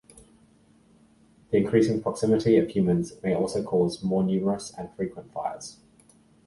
The increasing proximity of humans may also cause more numerous and frequent fires.